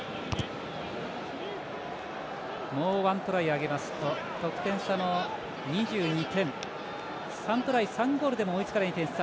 もう１トライ挙げますと得点差の２２点、３トライ３ゴールでも追いつかれない点差。